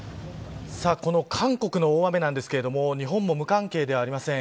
この韓国の大雨なんですけれども日本も無関係ではありません。